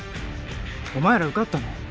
お前ら受かったの？